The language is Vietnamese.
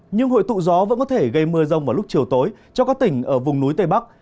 nhưng hội tụ gió vẫn có thể gây mưa rông vào lúc chiều tối cho các tỉnh ở vùng núi tây bắc